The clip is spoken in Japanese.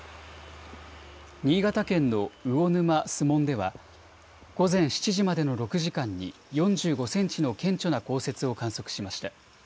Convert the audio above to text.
新潟県の魚沼市守門では午前７時までの６時間に４５センチの顕著な降雪を観測しました。